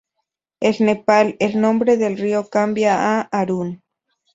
En Nepal el nombre del río cambia a Arun.